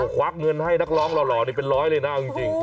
โอ้โฮควักเงินให้นักร้องค์หล่อนี่เป็นร้อยเลยนะจริง